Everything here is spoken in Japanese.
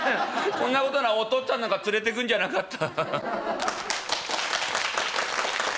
こんなことならお父っつぁんなんか連れてくんじゃなかった」。